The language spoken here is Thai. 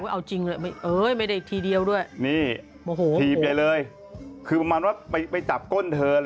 เอาจริงเลยไม่ได้ทีเดียวด้วยนี่โอ้โหถีบใหญ่เลยคือประมาณว่าไปจับก้นเธอเลย